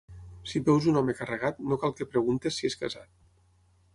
Si veus un home carregat, no cal que preguntis si és casat.